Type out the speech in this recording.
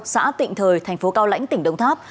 xã tịnh thời thành phố cao lãnh tỉnh đồng tháp